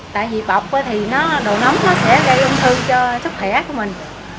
tại vì bọc quá thì đồ nóng nó sẽ gây ung thư cho sức khỏe của mình